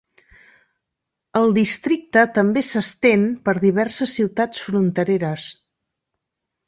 El districte també s'estén per diverses ciutats frontereres.